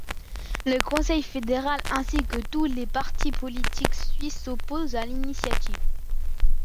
Le conseil fédéral ainsi que tous les partis politiques suisses s'opposent à l'initiative.